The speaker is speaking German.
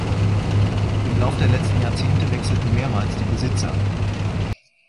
Im Lauf der letzten Jahrzehnte wechselten mehrmals die Besitzer.